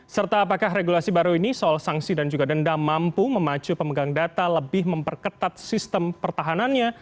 serta apakah regulasi baru ini soal sanksi dan juga denda mampu memacu pemegang data lebih memperketat sistem pertahanannya